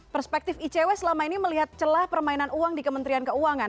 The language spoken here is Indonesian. perspektif icw selama ini melihat celah permainan uang di kementerian keuangan